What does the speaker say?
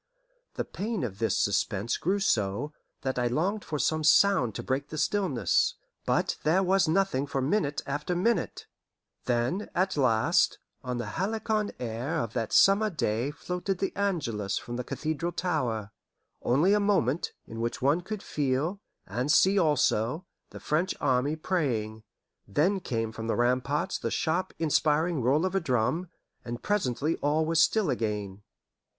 The pain of this suspense grew so, that I longed for some sound to break the stillness; but there was nothing for minute after minute. Then, at last, on the halcyon air of that summer day floated the Angelus from the cathedral tower. Only a moment, in which one could feel, and see also, the French army praying, then came from the ramparts the sharp inspiring roll of a drum, and presently all was still again.